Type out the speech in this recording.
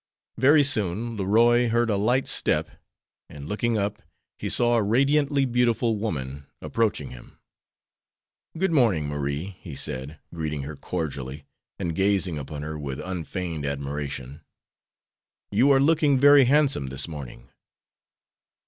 Very soon Leroy heard a light step, and looking up he saw a radiantly beautiful woman approaching him. "Good morning, Marie," he said, greeting her cordially, and gazing upon her with unfeigned admiration. "You are looking very handsome this morning."